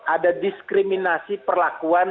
ada diskriminasi perlakuan